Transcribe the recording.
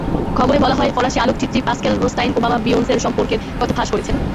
খবরে বলা হয়, ফরাসি আলোকচিত্রী পাসকেল রোস্টাইন ওবামা-বিয়ন্সের সম্পর্কের কথা ফাঁস করেছেন।